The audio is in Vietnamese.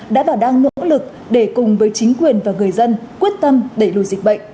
đã và đang nỗ lực để cùng với chính quyền và người dân quyết tâm đẩy lùi dịch bệnh